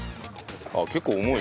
あっ結構重い。